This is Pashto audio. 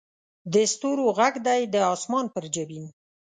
د ستورو ږغ دې د اسمان پر جبین